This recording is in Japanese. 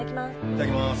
いただきます。